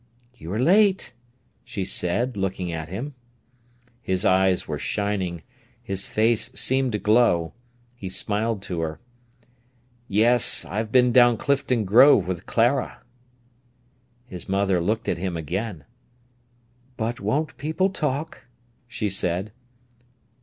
"You are late!" she said, looking at him. His eyes were shining; his face seemed to glow. He smiled to her. "Yes; I've been down Clifton Grove with Clara." His mother looked at him again. "But won't people talk?" she said.